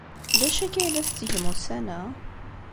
D acu akka ay la tettgem ussan-a?